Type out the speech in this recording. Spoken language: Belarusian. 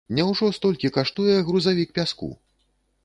Няўжо столькі каштуе грузавік пяску?